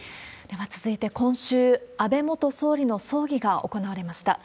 では、続いて今週、安倍元総理の葬儀が行われました。